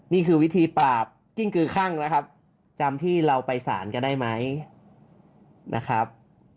นี่คือวิธีปราบกิ้งกือคั่งนะครับจำที่เราไปสารกันได้ไหมนะครับ